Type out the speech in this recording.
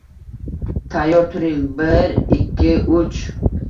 Tayyor turing: Bi-i-ir... Ik-k-ki... U-u-u-uch!